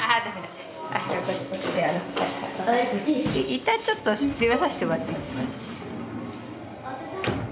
一旦ちょっと閉めさせてもらっていいですか。